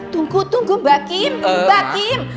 tunggu tunggu mbak kim